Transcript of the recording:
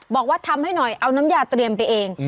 บอกว่าทำให้หน่อยเอาน้ำยาเตรียมไปเอง